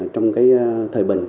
trong thời bình